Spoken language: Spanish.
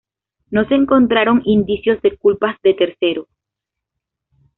No se encontraron indicios de culpa de terceros.